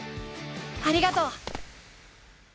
ありがとう！